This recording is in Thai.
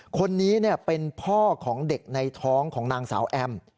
คนนี้เป็นพ่อของเด็กในท้องของนางสาวแอม